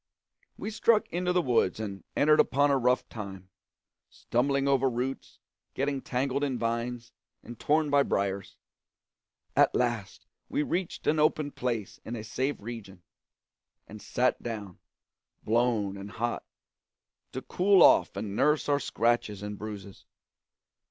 We struck into the woods and entered upon a rough time, stumbling over roots, getting tangled in vines, and torn by briers. At last we reached an open place in a safe region, and sat down, blown and hot, to cool off and nurse our scratches and bruises.